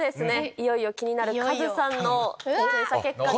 いよいよ気になるカズさんの検査結果。